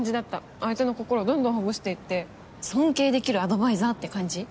相手の心をどんどんほぐしていって尊敬できるアドバイザーって感じ。